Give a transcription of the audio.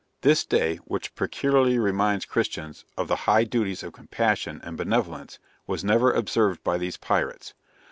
This day, which peculiarly reminds Christians of the high duties of compassion and benevolence, was never observed by these pirates.